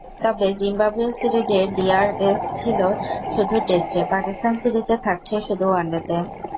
তবে জিম্বাবুয়ে সিরিজে ডিআরএস ছিল শুধু টেস্টে, পাকিস্তান সিরিজে থাকছে শুধু ওয়ানডেতে।